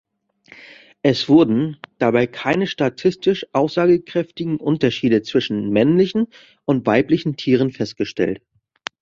Es wurden dabei keine statistisch aussagekräftigen Unterschiede zwischen männlichen und weiblichen Tieren festgestellt.